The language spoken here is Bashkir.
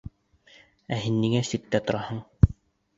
Ә һин ниңә ситтә тораһың?